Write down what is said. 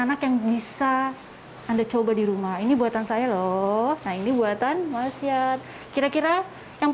anak yang bisa anda coba di rumah ini buatan saya loh nah ini buatan wasiat kira kira yang